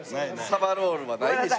サバロールはないでしょ。